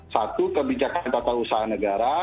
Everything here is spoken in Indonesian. satu kebijakan tata usaha negara